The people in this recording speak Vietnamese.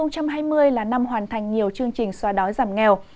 đây là năm hoàn thành nhiều chương trình xóa đói giảm nghèo